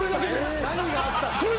何があった？